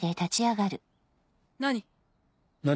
何？